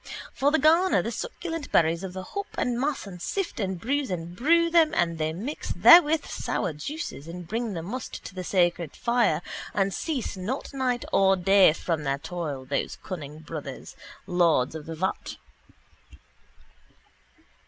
For they garner the succulent berries of the hop and mass and sift and bruise and brew them and they mix therewith sour juices and bring the must to the sacred fire and cease not night or day from their toil, those cunning brothers, lords of the vat.